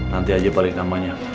nanti aja balik namanya